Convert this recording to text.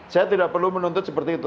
saya tidak perlu menuntut seperti itu